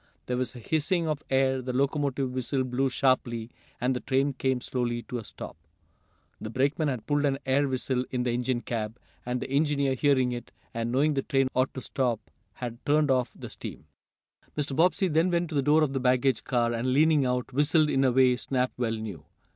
There was a hissing of air, the locomotive whistle blew sharply, and the train came slowly to a stop. The brakeman had pulled an air whistle in the engine cab, and the engineer, hearing it, and knowing the train ought to stop, had turned off the steam. Mr. Bobbsey then went to the door of the baggage car, and, leaning out, whistled in a way Snap well knew.